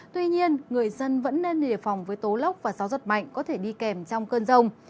tuy nhiên người dân vẫn nên đề phòng với tố lốc và gió giật mạnh có thể đi kèm trong cơn rông